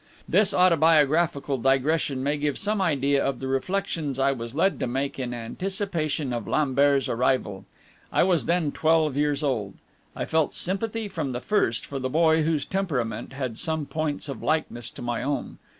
This autobiographical digression may give some idea of the reflections I was led to make in anticipation of Lambert's arrival. I was then twelve years old. I felt sympathy from the first for the boy whose temperament had some points of likeness to my own.